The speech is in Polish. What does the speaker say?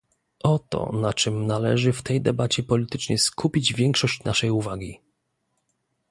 Oto na czym należy w tej debacie politycznej skupić większość naszej uwagi